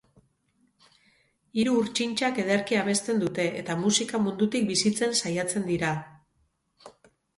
Hiru urtxintxak ederki abesten dute eta musika mundutik bizitzen saiatzen dira.